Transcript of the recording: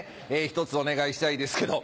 ひとつお願いしたいですけど。